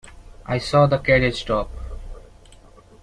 I saw the carriage stop.